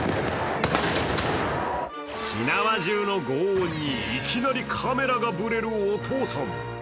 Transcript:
火縄銃のごう音にいきなりカメラがブレるお父さん。